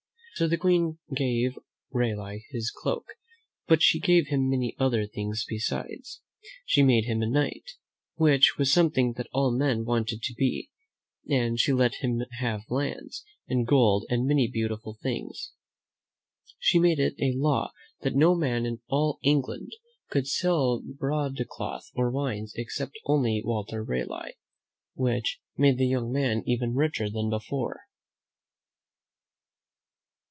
So the Queen gave Raleigh his cloak, but she gave him many other things besides. She made him a knight, which was something that all men wanted to be, and she let him have lands and gold and many beautiful things. She made it a law that no man in all England could sell kv/i (O^ y :>/ THE MEN WHO FOUND AMERICA broadcloth or wines except only Walter Raleigh, which made the young man even richer than before.